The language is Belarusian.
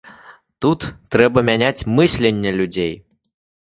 Тут трэба мяняць мысленне людзей.